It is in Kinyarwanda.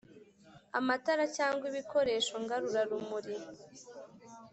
Amatara cyangwa ibikoresho ngarura-rumuri